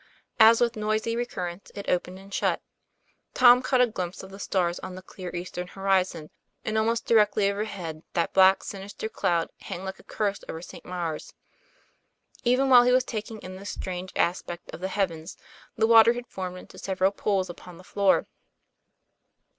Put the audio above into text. As with noisy recurrence it opened and shut, Tom caught a glimpse of the stars on the clear eastern horizon, and almost directly overhead that black, sinister cloud, hanging like a curse over St. Maure's. Even while he was taking in this strange aspect of the heavens, the water had formed into several pools upon the floor.